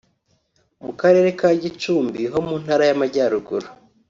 mu Karere ka Gicumbi ho mu Ntara y’Amajyaruguru